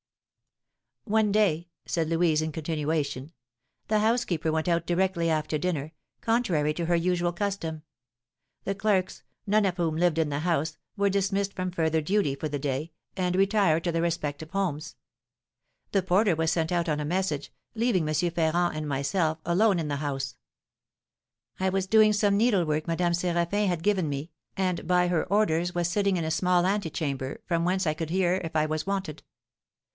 "One day," said Louise, in continuation, "the housekeeper went out directly after dinner, contrary to her usual custom; the clerks, none of whom lived in the house, were dismissed from further duty for the day, and retired to their respective homes; the porter was sent out on a message, leaving M. Ferrand and myself alone in the house. I was doing some needlework Madame Séraphin had given me, and by her orders was sitting in a small antechamber, from whence I could hear if I was wanted.